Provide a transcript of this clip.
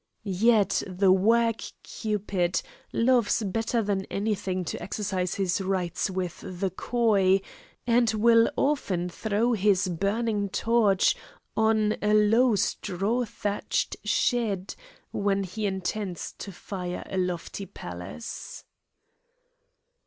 Yet the wag Cupid loves better than any thing to exercise his rights with the coy, and will often throw his burning torch on a low straw thatched shed when he intends to fire a lofty palace.